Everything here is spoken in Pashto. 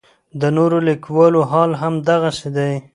د نورو لیکوالو حال هم دغسې دی.